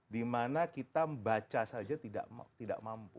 dimana kita membaca saja tidak mampu